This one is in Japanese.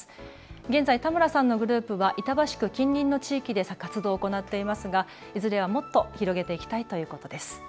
現在、田村さんのグループは板橋区近隣の地域で活動を行っていますが、いずれはもっと広げていきたいということです。